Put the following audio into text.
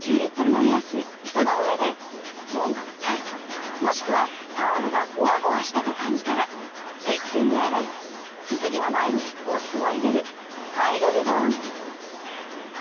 その上で月に１回もしくはタオルがゴワゴワしたと感じたらせっけんで洗いすすぎの前にお酢を入れるパイルリボーン。